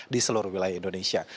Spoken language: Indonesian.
di seluruh wilayah indonesia